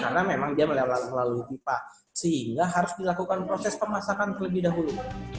karena memang dia melalui pipa sehingga harus dilakukan proses pemasakan lebih dahulu